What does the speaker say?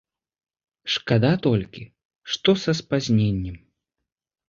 Шкада толькі, што са спазненнем.